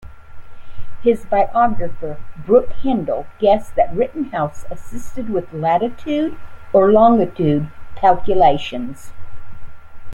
His biographer, Brooke Hindle, guessed that Rittenhouse assisted with latitude or longitude calculations.